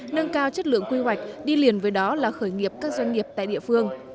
nâng cao chất lượng quy hoạch đi liền với đó là khởi nghiệp các doanh nghiệp tại địa phương